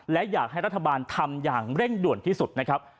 และอยากให้รัฐบาลทำอย่างเร่งด่วนที่สุดนะครับ